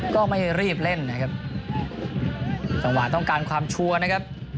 ก็ไม่รีบเล่นนะครับจังหวะต้องการความชัวร์นะครับ